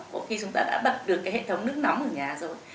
có khi chúng ta đã bật được cái hệ thống nước nóng ở nhà rồi